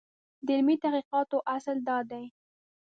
د علمي تحقیقاتو اصل دا دی.